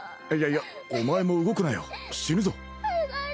あっいやいやお前も動くなよ死ぬぞ。